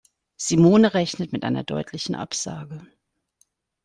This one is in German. Simone rechnet mit einer deutlichen Absage.